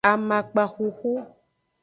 Amakpa xuxu.